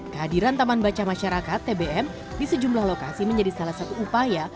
kehadiran taman baca masyarakat tbm di sejumlah lokasi menjadi salah satu upaya